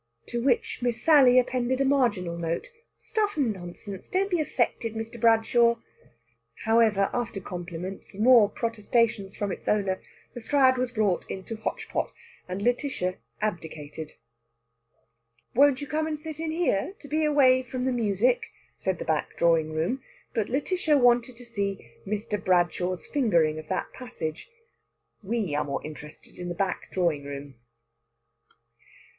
To which Miss Sally appended a marginal note, "Stuff and nonsense! Don't be affected, Mr. Bradshaw." However, after compliments, and more protestations from its owner, the Strad was brought into hotchpot, and Lætitia abdicated. "Won't you come and sit in here, to be away from the music?" said the back drawing room. But Lætitia wanted to see Mr. Bradshaw's fingering of that passage. We are more interested in the back drawing room.